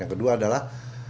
yang kedua adalah